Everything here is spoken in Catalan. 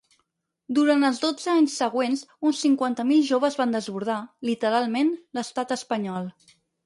Durant els dotze anys següents, uns cinquanta mil joves van desbordar, literalment, l’estat espanyol.